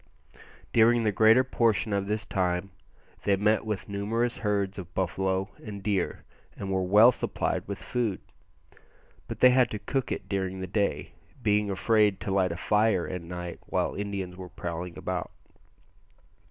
During the greater portion of this time they met with numerous herds of buffalo and deer, and were well supplied with food; but they had to cook it during the day, being afraid to light a fire at night while Indians were prowling about.